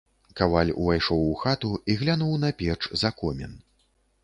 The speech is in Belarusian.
Каваль увайшоў у хату і глянуў на печ за комін.